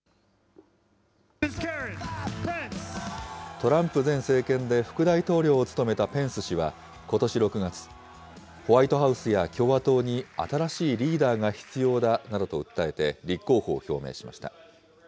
トランプ前政権で副大統領を務めたペンス氏はことし６月、ホワイトハウスや共和党に新しいリーダーが必要だなどと訴えて、立候補を表明しました。